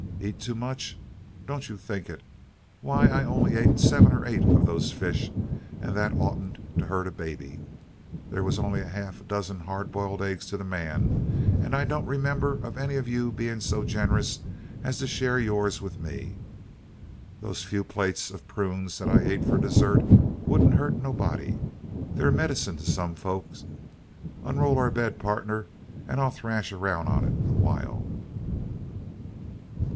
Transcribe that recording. Eat too much? Don't you think it. Why, I only ate seven or eight of those fish, and that oughtn't to hurt a baby. There was only half a dozen hard boiled eggs to the man, and I don't remember of any of you being so generous as to share yours with me. Those few plates of prunes that I ate for dessert wouldn't hurt nobody they're medicine to some folks. Unroll our bed, pardner, and I'll thrash around on it awhile."